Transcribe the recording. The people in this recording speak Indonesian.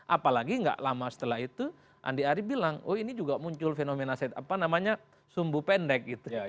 apalagi tidak lama setelah itu andi ari bilang oh ini juga muncul fenomena apa namanya sumbu pendek gitu